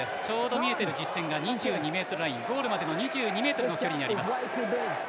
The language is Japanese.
見えている実線が２２ｍライン、ゴールまでの２２ｍの距離になります。